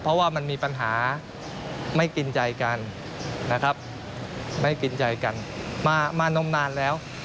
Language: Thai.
เพราะว่ามันมีปัญหาไม่กินใจกันนะครับไม่กินใจกันมานมนานแล้ว